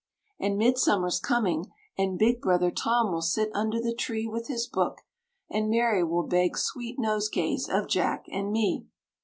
And Midsummer's coming, and big brother Tom will sit under the tree With his book, and Mary will beg sweet nosegays of Jack and me.